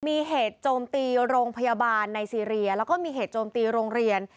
มีเหตุโจมตีโรงพยาบาลในซีเรียแล้วก็มีเหตุโจมตีโรงเรียน